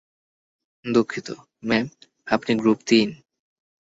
দুঃখিত, ম্যাম, আপনি গ্রুপ তিন।